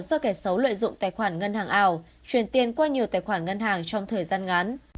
do kẻ xấu lợi dụng tài khoản ngân hàng ảo truyền tiền qua nhiều tài khoản ngân hàng trong thời gian ngắn